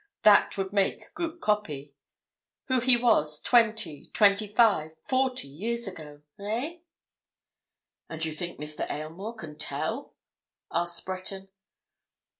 That would make good copy. Who he was—twenty—twenty five—forty years ago. Eh?" "And you think Mr. Aylmore can tell?" asked Breton.